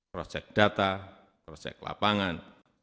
projek data projek lapangan